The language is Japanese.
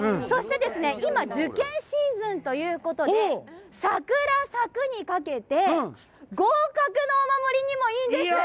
そして今受験シーズンということで、「サクラサク」にかけて、合格のお守りにもいいんです。